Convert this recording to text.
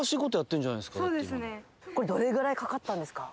これどれぐらいかかったんですか？